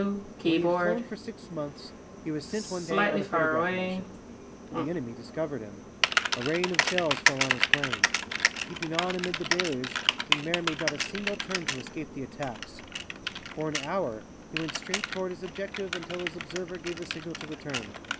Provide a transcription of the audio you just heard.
When he had flown for six months, he was sent one day on a photographing mission. The enemy discovered him. A rain of shells fell on his plane. Keeping on amid the deluge, Guynemer made not a single turn to escape the attacks. For an hour he went straight toward his objective until his observer gave the signal to return.